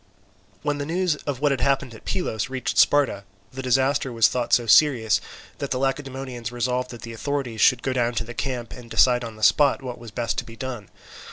When the news of what had happened at Pylos reached Sparta, the disaster was thought so serious that the Lacedaemonians resolved that the authorities should go down to the camp, and decide on the spot what was best to be done.